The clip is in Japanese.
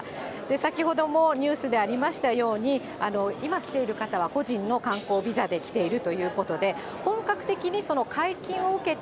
先ほどもニュースでありましたように、今来ている方は個人の観光ビザで来ているということで、本格的に解禁を受けて、